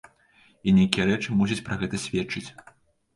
І нейкія рэчы мусяць пра гэта сведчыць.